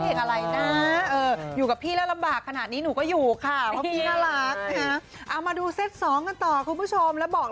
พี่สังวัตรจะต่อก่อนอยู่กับพี่แล้วลำบากขนาดนี้หนูก็อยู่ค่ะเพราะพี่น่ารัก